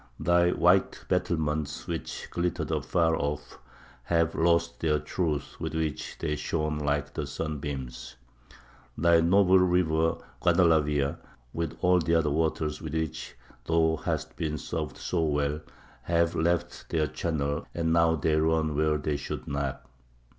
"Thy white battlements which glittered afar off, have lost their truth with which they shone like the sunbeams. "Thy noble river Guadalaviar, with all the other waters with which thou hast been served so well, have left their channel, and now they run where they should not.